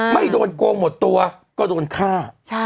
ไม่โดนโกงหมดตัวก็โดนฆ่า